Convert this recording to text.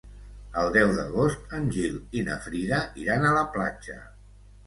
El deu d'agost en Gil i na Frida iran a la platja.